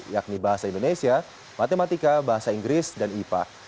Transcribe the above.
yakni bahasa indonesia matematika bahasa inggris dan ipa